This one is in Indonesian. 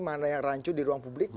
mana yang rancu di ruang publik